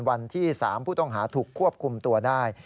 วันที่๓ผู้ต้องหาถูกควบคุมตัวได้